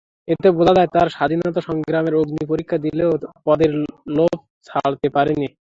এতে বোঝা যায়, তাঁরা স্বাধীনতাসংগ্রামের অগ্নিপরীক্ষা দিলেও পদের লোভ ছাড়তে পারেননি।